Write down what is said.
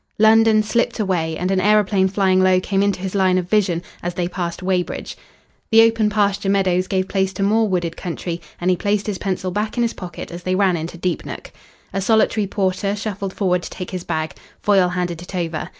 London slipped away, and an aeroplane flying low came into his line of vision as they passed Weybridge. The open pasture meadows gave place to more wooded country, and he placed his pencil back in his pocket as they ran into Deepnook. A solitary porter shuffled forward to take his bag. Foyle handed it over.